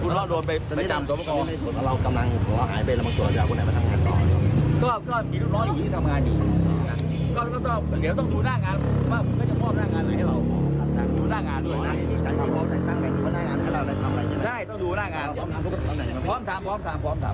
ต้องดูหน้างานพร้อมทำพร้อมทำ